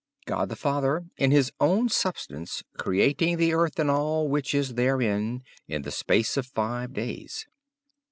God the Father, in his own substance, creating the earth and all which is therein, in the space of five days.